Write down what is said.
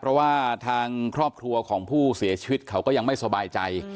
เพราะว่าทางครอบครัวของผู้เสียชีวิตเขาก็ยังไม่สบายใจ